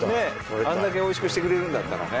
△譴世おいしくしてくれるんだったらね。